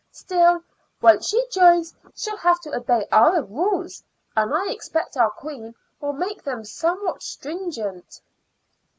Still, once she joins she'll have to obey our rules, and I expect our queen will make them somewhat stringent."